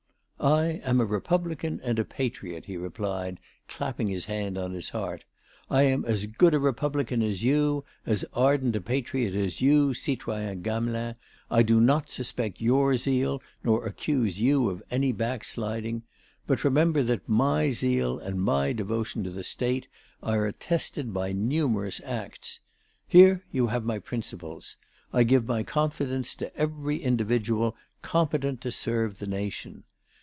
"I am a Republican and a patriot," he replied, clapping his hand on his heart. "I am as good a Republican as you, as ardent a patriot as you, citoyen Gamelin. I do not suspect your zeal nor accuse you of any backsliding. But remember that my zeal and my devotion to the State are attested by numerous acts. Here you have my principles: I give my confidence to every individual competent to serve the Nation.